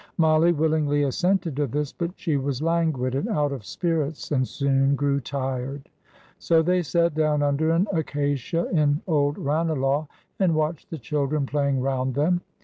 Mollie willingly assented to this, but she was languid and out of spirits, and soon grew tired; so they sat down under an acacia in old Ranelagh and watched the children playing round them.